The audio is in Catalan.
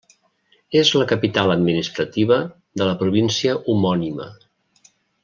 És la capital administrativa de la província homònima.